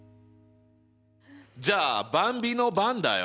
じゃあばんびの番だよ。